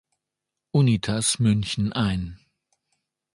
Unitas München ein.